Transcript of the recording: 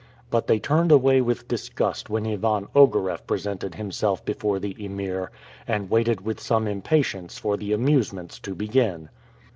But they turned away with disgust when Ivan Ogareff presented himself before the Emir, and waited with some impatience for the amusements to begin.